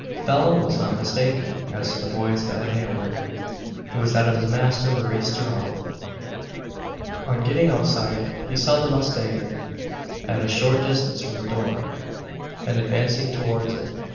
Phelim was not mistaken as to the voice that had hailed him. It was that of his master, Maurice Gerald. On getting outside, he saw the mustanger at a short distance from the door, and advancing towards it.